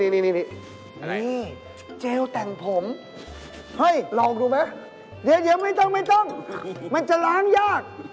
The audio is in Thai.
ชอบไอ้นี่เจลแต่งผมเฮ้ยลองดูไหมเย็นไม่ต้องมันจะล้างยาก